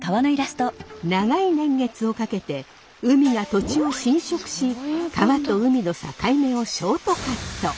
長い年月をかけて海が土地を侵食し川と海の境目をショートカット。